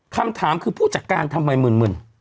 คำถามคือผู้จัดการทำไมหมื่น